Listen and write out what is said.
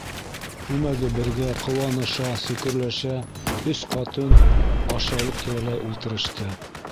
Күмәге бергә ҡыуаныша-сөкөрләшә өс ҡатын ашъяулыҡ тирәләй ултырышты.